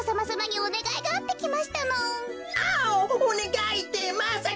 おねがいってまさか。